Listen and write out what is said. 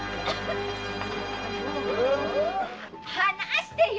離してよ。